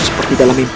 seperti dalam mimpi